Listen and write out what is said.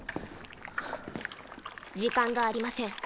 時間がありません。